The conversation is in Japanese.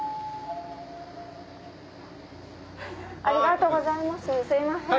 ありがとうございますすいません。